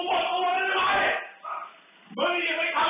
บอกไม่ได้แล้วนะ